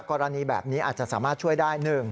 กรณีแบบนี้อาจจะสามารถช่วยได้